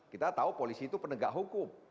kita tahu polisi itu penegak hukum